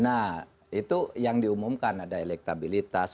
nah itu yang diumumkan ada elektabilitas